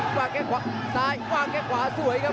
วางแข้งขวาซ้ายวางแข้งขวาสวยครับ